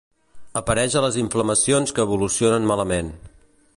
Apareix a les inflamacions que evolucionen malament.